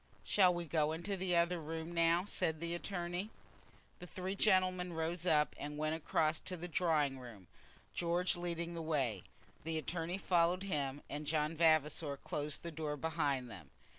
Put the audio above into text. "Shall we go into the other room now?" said the attorney. The three gentlemen then rose up, and went across to the drawing room, George leading the way. The attorney followed him, and John Vavasor closed the door behind them.